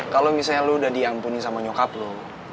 kalau misalnya lu udah diampuni sama nyokap lu